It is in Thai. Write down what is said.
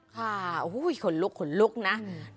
ค่าอู้ยขนลุกนะ